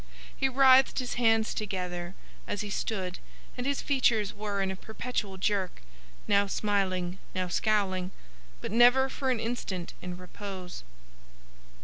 He writhed his hands together as he stood, and his features were in a perpetual jerk, now smiling, now scowling, but never for an instant in repose.